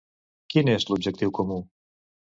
Quin és l'objectiu comú?